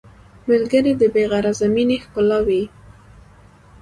ملګری د بې غرضه مینې ښکلا وي